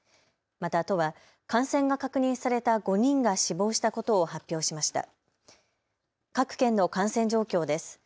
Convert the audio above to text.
また都は感染が確認された５人が死亡したことを発表しました。